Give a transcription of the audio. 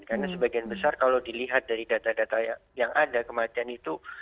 karena sebagian besar kalau dilihat dari data data yang ada kematian itu